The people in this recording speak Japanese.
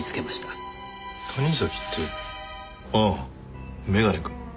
谷崎ってああ眼鏡くん。